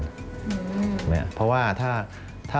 กระแสรักสุขภาพและการก้าวขัด